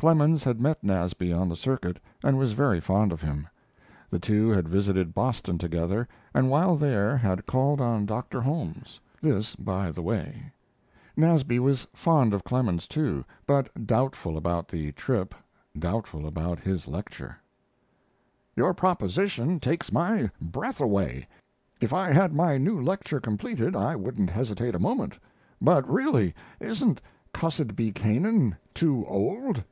Clemens had met Nasby on the circuit, and was very fond of him. The two had visited Boston together, and while there had called on Doctor Holmes; this by the way. Nasby was fond of Clemens too, but doubtful about the trip doubtful about his lecture: Your proposition takes my breath away. If I had my new lecture completed I wouldn't hesitate a moment, but really isn't "Cussed Be Canaan" too old?